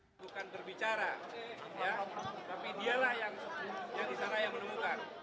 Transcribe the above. bukan berbicara tapi dia lah yang disana yang menemukan